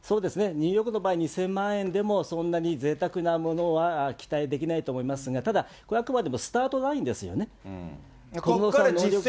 ニューヨークの場合、２０００万円でもそんなにぜいたくなものは期待できないと思いますが、ただあくまでもスタートラインですよね。